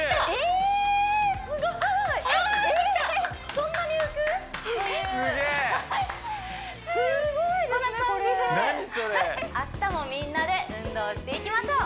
こんな感じで明日もみんなで運動していきましょう！